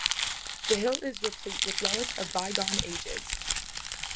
The hill is replete with relics of bygone ages.